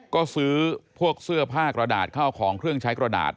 ก็ซื้อพวกเสื้อผ้ากระดาษข้าวของเครื่องใช้กระดาษ